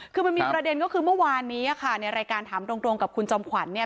คือมันมีประเด็นก็คือเมื่อวานนี้ค่ะในรายการถามตรงกับคุณจอมขวัญเนี่ย